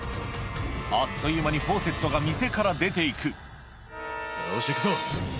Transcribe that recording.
あっという間にフォーセットが店から出て行くよし行くぞ。